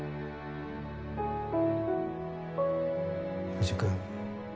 藤君。